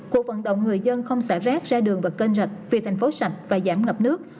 cuộc vận động người dân không xả rác ra đường và kênh rạch vì thành phố sạch và giảm ngập nước